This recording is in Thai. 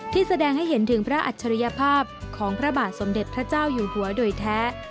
แสดงให้เห็นถึงพระอัจฉริยภาพของพระบาทสมเด็จพระเจ้าอยู่หัวโดยแท้